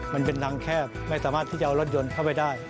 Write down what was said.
มันเป็นรังแคบไม่สามารถที่จะเอารถยนต์เข้าไปได้